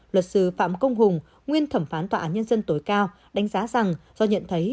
luật sư phạm công hùng nguyên thẩm phán tòa án nhân dân tối cao đánh giá rằng do nhận thấy